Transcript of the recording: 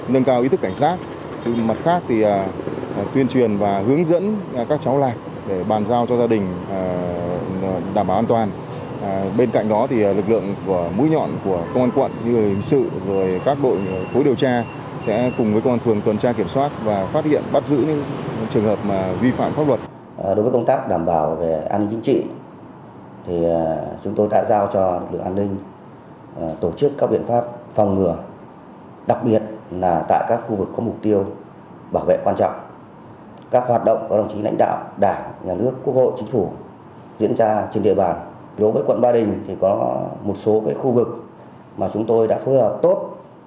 đối với quận bà đình thì có một số khu vực mà chúng tôi đã phối hợp tốt với công an thành phố để chủ động triển khai dự kiến các biện pháp để kiểm trích cân nguyện giai đoạn